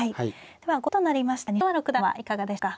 では後手となりました西川六段はいかがでしょうか。